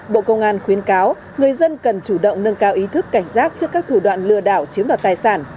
bộ công an khuyến cáo người dân cần chủ động nâng cao ý thức cảnh giác trước các thủ đoạn lừa đảo chiếm đoạt tài sản